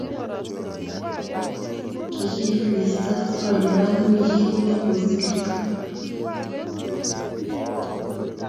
kikibisto si kuluban wikii ne kosirto